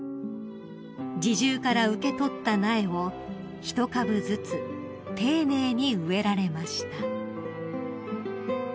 ［侍従から受け取った苗を１株ずつ丁寧に植えられました］